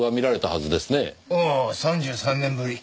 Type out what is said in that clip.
ああ３３年ぶり。